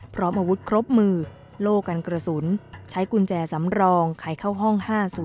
พร้อมอาวุธครบมือโล่กันกระสุนใช้กุญแจสำรองไขเข้าห้อง๕๐